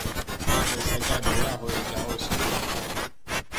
ٿَي سجا ڀيڙا هوئي جاو اسڪول